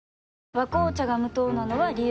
「和紅茶」が無糖なのは、理由があるんよ。